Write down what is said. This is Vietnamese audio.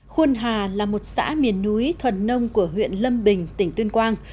khuôn hà là một xã miền núi thuần nông của huyện lâm bình tỉnh tuyên quang